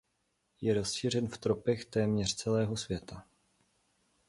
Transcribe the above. Je rozšířen v tropech téměř celého světa.